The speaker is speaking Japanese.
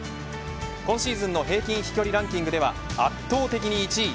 今シーズンの平均飛距離ランキングでは圧倒的に１位。